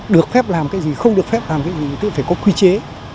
được phép làm cái gì không được phép làm cái gì thì phải có quy chế